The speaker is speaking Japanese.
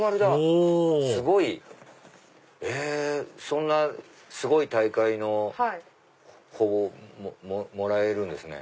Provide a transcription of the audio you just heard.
そんなすごい大会の帆をもらえるんですね。